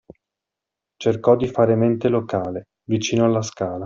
Cercò di fare mente locale: vicino alla scala.